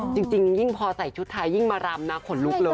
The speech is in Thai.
จริงยิ่งพอใส่ชุดไทยยิ่งมารำนะขนลุกเลย